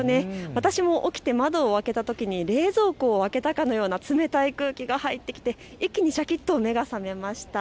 私も起きて窓を開けたときに冷蔵庫を開けたかのような冷たい空気が入ってきて一気にしゃきっと目が覚めました。